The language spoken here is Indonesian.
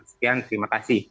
sekian terima kasih